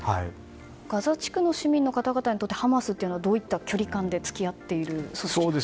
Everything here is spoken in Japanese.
ガザ地区の市民の方々にとってハマスというのはどういった距離感で付き合っている組織なんですか。